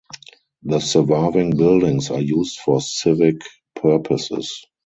The surviving buildings are used for civic purposes.